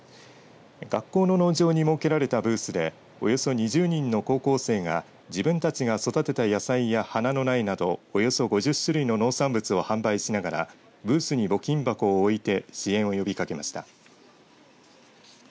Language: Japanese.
学校の農場に設けられたブースでおよそ２０人の高校生が自分たちが育てた野菜や花の苗などおよそ５０種類の農産物を販売しながらブースに募金箱を置いて支援を呼びかけました。